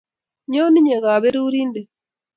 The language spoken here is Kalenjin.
Nyo inye kaberurindet